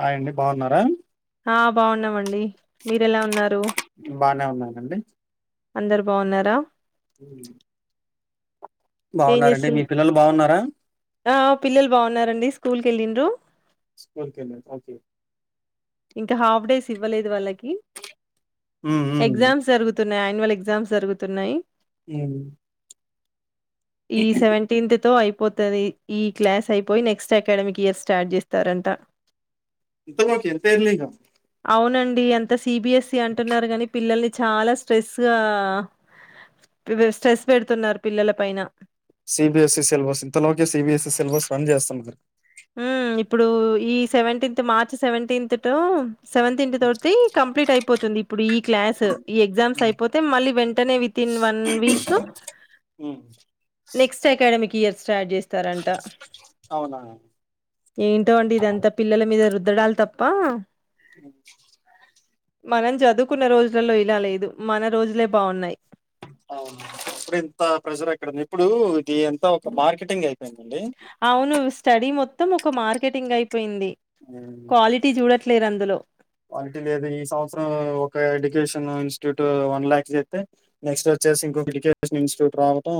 Hi అండి బాగున్నా ఆ ఆ బాగున్నామండి మీర ఎలా ఉన్నారు బానే ఉ న్నానండి అందరు బాగున్నారా ఉమ్. ఏం బాగున్నారండి చేస్తుం మీ పిల్లలు బాగున్నారా ఆ ఆ పిల్లలు బాగున్నారండి స్కూల్కి వెళ్ళిండ్రు స్కూల్కి వెళ్ళారు ఓకే ఇంకా హాఫ్ డేస్ ఇవ్వలేదు వాళ్ళకి ఉమ్, ఉమ్, ఎగ్జామ్స్ జరుగుతు మాన్యువల్ ఎగ్జామ్స్ జరుగుతున్నాయి ఉ ఈ సెవెంటీన్త్ తో ఐ పోతుంది ఈ క్లాస్ అయిపోయి నెక్స్ట్ అకాడమిక్ ఇయర్ స్టార్ట్ చేస్తారంట ఇంతగచ్చే ఇంత ఎర్లీగా అవునండి అంత సె సిబిఎస్సి అంటున్నారు కాని పిల్లల్ని చాలా స్ట్రెస్గా స్ట్రెస్ పెడుతున్నారు పిల్లల పైన సిబిఎస్ఈ సిలబస్ ఇంతలోకే సిబిఎస్ఈ సిలబస్ రన్ చేస్తున్నారు హ్మ్. ఇప్పుడు ఈ సెవెంటీన్త్ మార్చి సెవెంటీన్త్ తో సెవెంత్ ఇట్ తోటి కంప్లీట్ అయిపోతుంది ఇప్పుడు ఈ క్లాసు ఈ ఎగ్జామ్స్ ఉమ్, అయిపోతే మళ్ళీ వె తనేవి తీన్ వన్ వీక్ ఉమ్. నెక్స్ట్ అకాడమిక్ ఇయర్ స్టార్ట్ చేస్తారంట అవునా ఉమ్, ఏంటో అండి ఇది అంతా పిల్లల మీద రుద్ ద్దడాల్ తప్ప మనం చదువుకున్న రోజులలో ఇలా లేదు మన రోజులే బావున్నాయి ఇప్పుడు ఇంత ప్రెషర్ ఏక్కడంది ఇప్పుడు ఇది ఎంత ఒక మార్కెటింగ్ ఏ అవును స్టడి మొత్తం మొత్తం ఒక మార్కెటింగ్ అయిపో పోయింది ఉమ్, క్వాలిటీ చూడట్ లేరందులో క్వాలిటీ లేదు ఈ సంవత్సరం ఒక ఎడ్యుకేషన్ ఇన్స్టిట్యూట్ వన్ ల్యాక్ చెప్తే నెక్స్ట్ వచ్చేసి ఇంకొక ఎడ్యుకేషన్ ఇన్స్టిట్యూట్ రావటం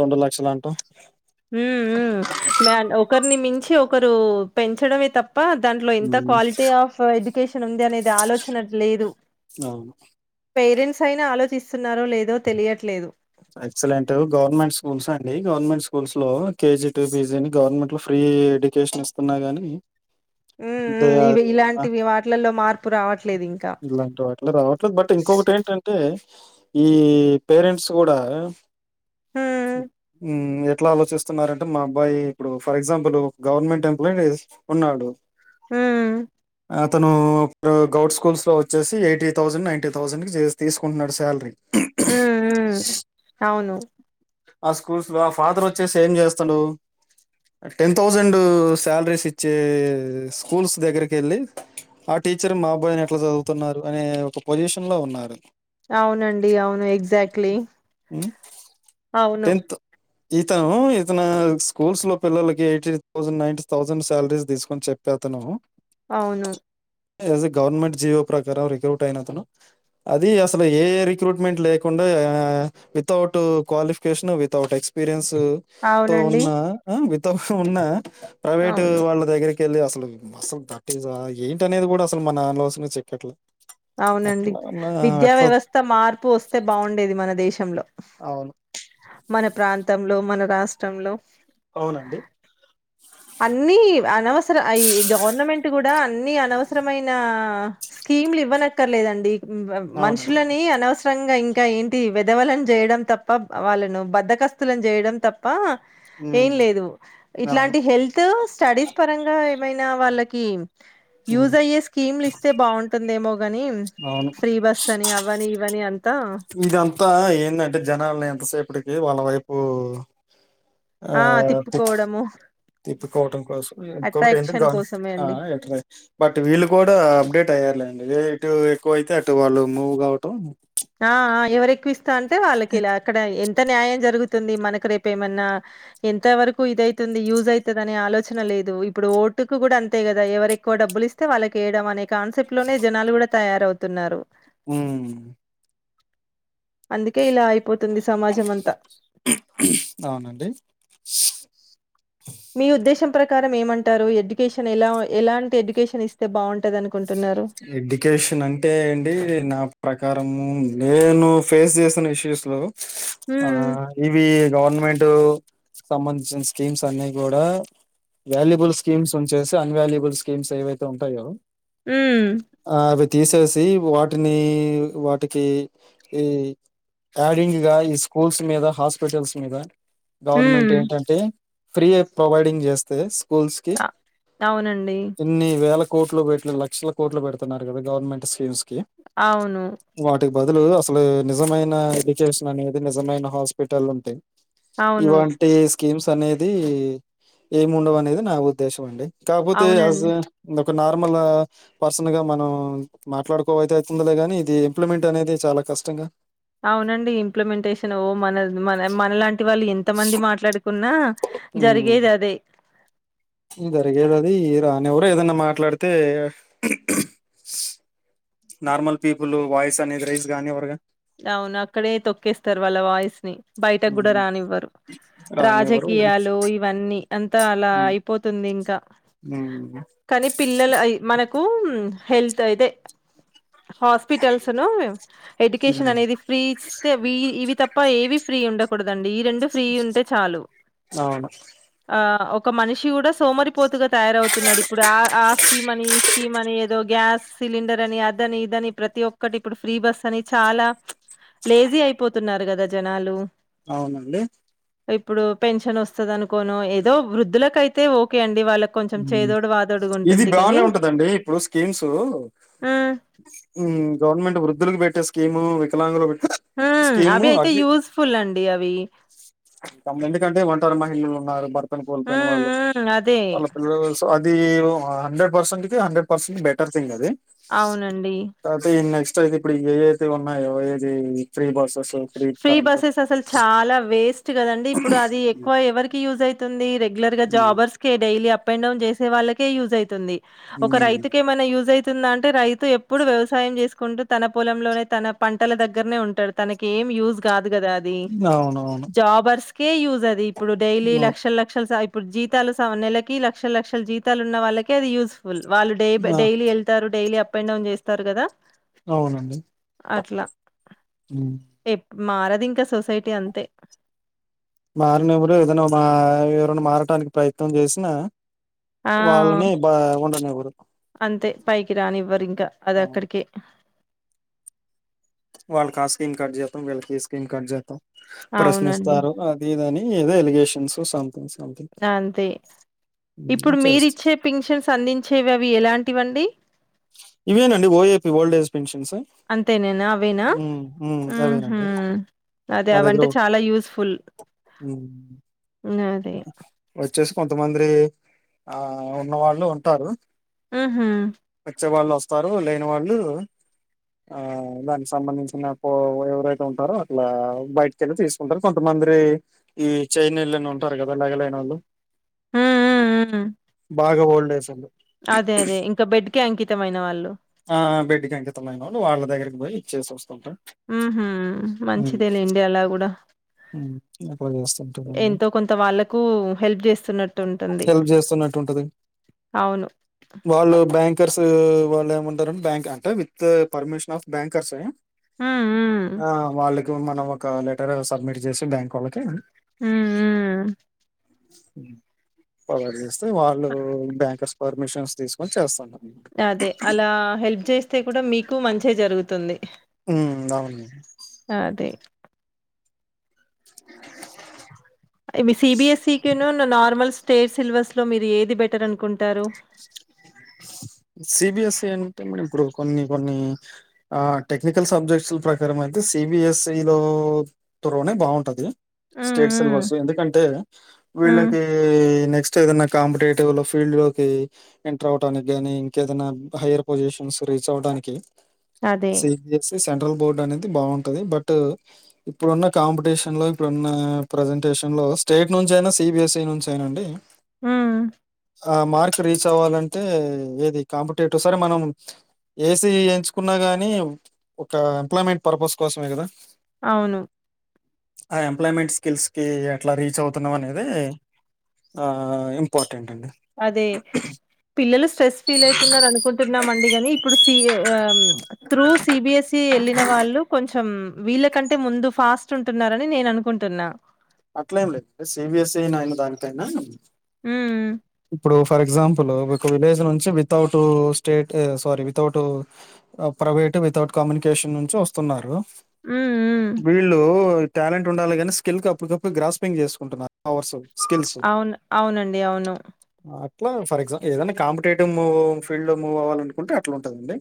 రెండు లక్షలు అంటాం ఉ మ ఒకరిని మించి ఒకరు పెంచడమే తప్ప దాంట్లో ఎంత ఉమ్, క్వాలిటీ ఆఫ్ ఎడ్యుకేషన్ ఉంది అనేది ఆలోచన లేదు అవును పేరెంట్స్ అయినా ఆలోచిస్తున్నారో లేదో తెలియట్లేదు ఎక్సలెంట్ గవర్నమెంట్ స్కూల్స్ అండి గవర్నమెంట్ స్కూల్స్ లో కేజీ టూ పిజీని గవర్నమెంట్ లో ఫ్రీ ఎడ్యుకేషన్ ఇస్తున్నా గాని హ్మ్. హ్మ్. ఇవి ఇలాంటివి వాటిలల్లో మార్పు రావట్లేదింకా. ఇలాంటి వాట్లా రావట్లేదు బట్ ఇంకొకటి ఏంటంటే ఈ పేరెంట్స్ కూడా హ్మ్. ఆ ఎట్లా ఆలోచిస్తున్నారంటే మా అబ్బాయి ఇప్పుడు ఫర్ ఎగ్జాంపుల్ గవర్నమెంట్ ఎంప్లాయీ ఉన్నాడు హ అతను ఇప్పుడు గవర్ంట్ స్కూల్స్ లో వచ్చేసి ఎయిటీ థౌసండ్ నైన్టీ థౌసండ్ కిసి తీసుకుంటున్నాడు శాలరీ అవును ఆ స్కూల్స్ లో ఆ ఫాదర్ వచ్చేసి ఏం చేస్తాడు టెన్ థౌజండ్ శాలరీస్ ఇచ్చే స్కూల్స్ దగ్గరకి వెళ్ళి ఆ టీచర్ మా అబ్బాయిని ఎట్లా చదువుతున్నారు అనే ఒక పొజిషన్ లో ఉన్నారు అవునండి అవును ఎగ్జాక్ట్లీ మ్ అవును ఇతను ఇతను స్కూల్స్ లో పిల్లలకి eighty thousand ninety thousand salaries తీసుకొని చెప్పేతను అవును జ్ గవర్నమెంట్ జియో ప్రకారం రిక్రూట్ అయినతను అది అసలు ఏ రిక్రూట్మెంట్ లేకుండా వితౌట్ క్వాలిఫై [unintelligible] వితౌట్ ఎక్స్పీరియన్స్ తో అవునండి. ఉన్న త ఉన్నా ప్రైవేట్ అవును. వాళ్ళ దగరి పెళ్ళి అసలు అస్సలు దట్జ ఏంటి అనేది కూడా అసలు మన లోస చెక్కెట్లా అవునండి విద్యా వ్యవస్థ మార్పు వస్తే బాగుండేది మన దేశంలో అవును మన ప్రాంతంలో మన రాష్ట్రంలో అవునండి అన్ని అనవసర ఈ గవర్నమెంట్ కూడా అన్ని అనవసరమైన స్కీమ్లు ఇవ్వనక్కర్లేదండి అవునండి. మనుషులని అనవసర ష్టంగా ఇంకా ఏంటి వెధవలను చేయడం తప్ప, వాళ్ళను బద్దకస్తులను చేయడం తప్ప ఏం హ్మ్. లేదు ఇట్లాం అవును. హెల్త్ స్టడీస్ పరంగా మైన వాళ్ళకి హ్మ్. యూజ్ అయ్యే స్కీమ్లు ఇస్తే బాగుంటుందేమో ని అవును. ఫ్రీ బస్స్ అని అవ్వని ఇవ్వని అం త్త అంత ఏందంటే జనాాలని ఎంతసేపటికి వాళ్ళ వైపు ఆ తి తిప్పుకోవటం కోసం ఇంకొకటి ఎంటే అట్రాక్షన్ కోసమే అండి ఎ బట్ వీళ్ళు కూడా అప్డేట్ అయ్యారులేండి అదే ఇటు ఎక్కువైతే అటు వాళ్ళు మూవ్ కావటం ఆ ఎవరి క్కువిస్తా అంటే వాళ్ళకి ఇలా అక్కడ ఎ ఎంత న్యాయం జరుగుతుంది మనకు రేపు ఏమన్నా ఎంత వరకు ఇదవుతుంది, యూజ్ అవుతది అనే ఆలోచన లేదు, ఇప్పుడు ఓటుకు కూడా అంతే కదా ఎవరు ఎక్కువ డబ్బులిస్తే వాళ్ళకేయడం అనే కాన్సెప్ట్ లోనే జనాలు కూడా తయారవుతున్నారు ఉమ్ అందుకే ఇలా అయి అవునండి మీ ఉద్దేశం ప్రకారం ఏమంటారు ఎడ్యుకేషన్ ఎలా ఎలాంటి ఎడ్యుకేషన్ ఇస్తే బాగుంటదని ఎడ్యుకేషన్ అంటే అండి నా ప్రకారం నేను ఫేస్ చేసిన ఇష్యూస్ లో ఆ హ్మ్. ఇవి గవర్నమె ర్నమెంట్ సంబంధించిన స్కీమ్స్ అన్ని కూడా వాల్యుబుల్ స్కీమ్స్ ఉంచేసి అన్వాల్యుబుల్ స్కీమ్స్ ఏవైతే ఉంటాయో ఉమ్ ఆహ్, అవి తీసేసి వాటిని వాటికి ఈ యాడింగ్ గా ఈ స్కూల్స్ మీద హాస్పిటల్స్ మీద గవర్నమెంట్ హ్మ్. ఏంటంటే ఫ్రీ ప్రొవైడింగ్ చేస్తే స్కూల్స్కి అ అవునండి. కొన్ని వేల కోట్లు పెట్లి లక్షల కోట్లు పెడుతున్నారు కదా గవర్నమెంట్ స్కీమ్స్ కి అవును వాటికి బదులు అసలు నిజమైన ఎడ్యుకేషన్ అనేది నిజమైన హాస్పిటల్ ఉంటాయి అవును. ఇవంటి స్కీమ్స్ అనే నేది ఏమి ఉండవు అనేది నా ఉద్దేశం అండి కాకపోతే ఆజ అవునండి. ద ఒక నార్మల్ ఆ పర్సన్ గా మనం మాట్లాడుకో అయితే అయితుందిలే గాని ఇది ఇంప్లిమెంట్ అనేది చాలా కష్టంగా అవునండి ఇంప్లిమెంటేషన్ ఓ మన మన మన లాంటి వాళ్ళు ఎన్ కొంత మంది మాట్లాడుకున్నా ఉ జరిగేదదే. జరిగేది అది ఈ రానివర ఏదన్నా మాట్లాడితే నార్మల్ పీపుల్ వాయిస్ అనేది రైజు గానీ ఇవ్వరిగా అవును అక్కడే తొక్కేస్తారు వాళ్ళ వాయిస్ ని బయటకు గూడా రానివ్వరు రానివ్వరు ఉమ్ రాజకీయాలు ఇవన్నీ అంతా అలా అయిపోతుంది ఇంకా ఉమ్ కానీ పిల్లలు అయి మనకు హెల్త్ అయితే హాస్పిటల్స్ ను కిషన్ ఉమ్ అనేది ఫ్రీ ఇస్తే వీ ఇవ్వి తప్ప ఏ వీ ఫ్రీ ఉండకూడదు అండి ఈ రెండు ఫ్రీ ఉంటే చాలు అవును ఆ ఒక్ ఒక మనిషి కూడా సోమరిపోతుగా తయారవుతున్నాడు ఇప్పుడు ఆ ఆ స్కీమ్ అని ఈ స్కీమ్ అని ఏదో గ్యాస్ సిలిండర్ అని అదని ఇదని ప్రతి ఒక్కటి ఇప్పుడు ఫ్రీ బస్ అని చాలా లేజీ అయిపోతున్నారు గదా జనాలు అవునండి ఇప్పుడు పెన్షన్ వస్తుంది అనుకోను ఏదో వృద్ధులకయితే ఓకే అండి వాళ్ళకి కొంచెం ఉహు చేదోడు వాదోడుగా ఇది ఉంటుంది బాగనే కాని ఉంటదండి ఇప్పుడు స్కీమ్స్ ఉ ఉమ్ గవర్నమెంట్ వృద్ధులకు పెట్ ఇగ స్కీము వికలాంగులకు పెట్ హ అవి అయితే యూస్ ఫుల్ అండి అవి పిల్లలు ఉన్నారు బర్త్ భర్త ను కోల్పోయిన హ్మ్. వాళ్ళు హ్మ్. అదే. వాళ్ళ పిల్లలు స్ అది ఏవో హండ్రెడ్ పర్సెంట్ కి హండ్రెడ్ పర్సెంట్ బెటర్ థింగ్ అది అవునండి కాకపోతే ఈ నెక్స్ట్ అయితే ఇప్పుడు ఏ అయితే ఉన్నాయో ఏ ఏది ఫ్రీ బసెస్ ఫ్రీ బస్సెస్ అసలు చాలా వేస్ట్ గదండి ఇప్పుడు అది ఎక్కువ ఎవరికి యూజ్ అయితుంది రెగ్లర్ ఉమ్. జాబర్స్ కె డైలీ అప్ అప్అండ్ డౌన్ చేసే వాళ్ళకే యూజ్ అయితుంది ఒక రైతుకు ఏమైనా యూజ్ అయి తున్ అంటే రైతు ఎప్పుడు వ్యవసాయం చేసుకుంటూ తన పొలంలోనే తన పంటల దగ్గరనే ఉంటాడు తనకి కేమ్ యూజ్ గాధ్ ఉంది గదా అది అవునవును జాబర్స్ కే యూజ్ అది ఇప్పుడు డైలీ అవు- లక్షల్ లక్షల్ సా ఇప్పుడు జీతాలు నెలకి లక్షల లక్షల జీతాలు ఉన్నవాళ్ళకే అది యూజ్ వాళ్ళు డై ఆ డైలీ వెళ్తారు daily up up and down చేస్తారు కదా అవునండి మారదు ఇంకా సొసైటీ అంతే మారినివ్వరు ఏదైనా మా ఎవరన్నా మారటానికి ప్రయత్నం చేసినా ఆ వాళ్ళని బ ఉండనివ్వరు అంతే పైకి రాని ఇవ్వరు ఇంకా అది అవును అక్కడికే వాళ్ళకా స్కీమ్ కట్ చేతాం వీళ్ళకి ఈ స్కీమ్ కట్ చేద్దాం. అవునండి. ప్రశ్నిస్తారు అది ఇదని ఏదో ఎలిగేషన్స్ సంథింగ్స్ అంతే ఇప్పుడు చేస్తా మీరిచ్చే పిన్షన్స్ అందించేవి అవి ఎలాంటివి అండి. ఇవేనండి ఓఏపి ఓల్డ్ ఏజ్ పెన్షన్స్ అంతే ననా అవేనా ఉమ్, ఉమ్, హుహు అవేనండి అది మా దగ్గర అవంటే చాలా యూస్ పుల్ నదే జస్ట్ కొంతమంద్రి ఆ ఉన్న వాళ్ళు ఉంటారు ఉహూ వచ్చే వాళ్ళు వస్తారు. లేని వాళ్ళు ఆ దానికి సంబంధించిన పో ఎవరైతే ఉంటారో, అట్లా బయటికెళ్ళి తీసుకుంటారు. కొంతమంద్రి ఈ చైన్ లను ఉ ఉంటరు కదా లెగలేనోళ్లు హ్మ్. హ్మ్. బాగాఓల్డ్ ప్రజలు అదే అదే ఇంకా బెడ్ కె అంకిత్ తమైన వాళ్ళు ఆ బెడ్ కే అంకితమైనోళ్లు వాళ్ళ దగ్గరికి పోయి ఇచ్చే వస్తరు. మ్ హు మంచిదే లేండి అలా కూడా ఉమ్, అట్లా చేస్తుంటానండి ఎంతో కొంత వాళ్ళకు హెల్ప్ చేస్తున్నట్టు ఉంటుంది. హెల్ప్ చేస్తున్నట్టు ఉంటది అవును ఓ వాళ్ళేమన్ బ్యాంక్ అంటే విత్ పర్మిషన్ ఆఫ్ బ్యాంక్ అంటే హ్మ్. హ్మ్. ఆ వాళ్ళకి మనం ఒక లెటర్ సబ్మిట్ చేసి బ్యాంక్ వాళ్ళకి హుమ్ ఉ కట్ చేస్ వాళ్ళు బ్యాంకర్స్ పర్మిషన్స్ తీసుకొని చేస్తన అదే అలా హెల్ప్ చేస్తే కూడా మీకు మంచే జరుగుతుంది ఉ అవును అదే ఇవి సిబిఎస్ఈ నార్మల్ స్టేట్ సిలబస్ లో మీరు ఏది బెటర్ అనుకుంటారు సిబిఎస్ఈ అంటే మన ఇప్పుడు కొన్ని కొన్ని ఆ టెక్నికల్ సబ్జెక్ట్స్ల ప్రకారం అయితే సిబిఎస్ఈ లో త్వరనే బాగుంటది హ్మ్. స్టేట్స్ హ్మ్. వచ్చ ఎందుకంటే హ్మ్. వీళ్ళకి నెక్స్ట్ ఏదనా కాంపిటేట్ ఓ ఫీల్ లోకి రావటానికి ఎంటర్ అవటనికి గానీ ఇంకేదైనా హైయర్ పొజిషన్స్ రీచ్ అవడానికి అదే. సవి ప్లస్ సన్ తో బోర్డు అనేది బాగుంటది బట్ ఇప్పుడున్న కాంపిటీషన్ లో ఇప్పుడున్న ప్రజెంటేషన్ లో స్టేట్ నుంచి అయినా సిబిఎస్ఈ నుంచి అయినా అండి హ్మ్. ఆ మర్క్ రీచ్ కావాలంటే ఏది కాంపిటేటివ్ సరే మనం ఏసీ ఎంచుకున్నా గాని ఒక ఎంప్లాయ్మెంట్ పర్పస్ కోసమే కదా అవును. ఆ ఎంప్లాయ్మెంట్ స్కిల్స్ కి ఎట్లా రీచ్ అవుతున్నాం అనేది ఆ ఇంపార్టెంట్ అండి. అదే పిలలు స్ట్రెస్ ఫీల్ అవుతున్నారు అనుకుంటున్నామ అండి కానీ ఇప్పుడు సి త్రూ సిబిఎస్ఈ వెళ్ళిన వాళ్ళు కొంచెం వీళ్ళ కంటే ముందు ఫాస్ట్ ఉంటున్నారని నేను అనుకుంటున్నా అట్లే ఏం లేదు స సిబిఎస్ఈ నాయన దాగితేయినా హ ఇప్పుడు ఫర్ ఎగ్జాంపుల్ ఒక విలేజ్ నుంచి without state sorry without private without communication నుంచి వస్తున్నారు హ్మ్. హ్మ్. వీళ్ళు టాలెంట్ ఉండాలి కాని స్కిల్ క అప్పటికప్పుడు గ్రాస్ పపియింగ్ చేసుకుంటున్నారు ఆవర్స్ అవును అవునండి అవును అట్లా ఫర్ ఎగ్ ఏదైనా కాంపిటేటివ్్ ఫీల్డ్ లో మూవ్ అవ్వాల అనుకుంటే అట్లా ఉంటుందండి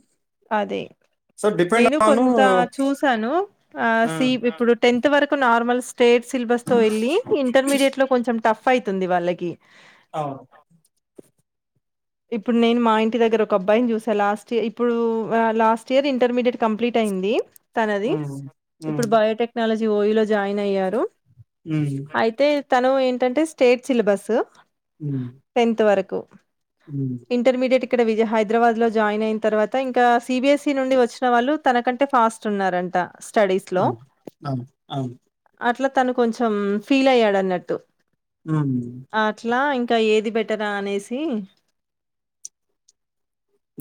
అదే సో డిపెండ్ నేను ఆన్ అవును కొంత చూసాను ఆ సి ఇప్పుడు టెన్త్ వరకు నార్మల్ స్టేట్ సిలబస్ తో వెళ్ళలి ఇంటర్మీడియట్ లో కొంచెం టఫ్ ఫ తుంది వాళ్ళకి అవు ఇప్పుడు నేను మా ఇంటి దగ్గర ఒక అబ్బాయిని చూసాను లాస్ట్ ఇయర్ ఇప్పుడు లాస్ట్ ఇయర్ ఇంటర్మీడియట్ కంప్లీట్ అయింది తనది ఉమ్, ఉమ్, ఇప్పుడు బయోటెక్నాలజీ ఓయ లో జాయిన్ అయ్యారు ఉమ్, అయితే తను ఏంటంటే స్టేట్ సిలబస్ ఉమ్, టెన్త్ వరకు తక్ ఉమ్, ఇంటర్మీడియట్ ఇక్కడ విజయ హైద్రబాద్ లో జాయిన్ అయిన తర్వాత ఇంకా సిబిఎస్ఇ నుండి వచ్చిన వాళ్ళు తనకంటే ఫాస్ట్ ఉన్నారంట స్టడీస్ లో అవ్ అవ్ అవును అట్లా తను కొంచెం ఫీల్ అయ్యాడ్ అన్నట్టు ఉమ్. అ అట్లా ఇంకా ఏది బెటరా అనేసి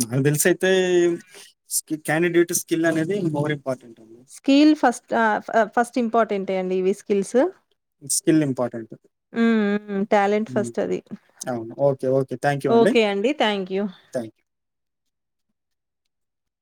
నాకు తెల్సైతే స్కి క్యాండిడేట్ స్కిల్ అనేది ఒవరె స్కీల్ ఫస్ ద ఫ ఫస్ట్ ఇంపాటెంటె అండి ఇవి స్కిల్స్ స్కిల్ ఇంపార్టెంట్, హ్మ్. హ్మ్. టాలెంట్ ఉ ఫస్ట్ అది అవును ఓకే ఓకే థ్యాంక్ యూ అండి okay thank you thank you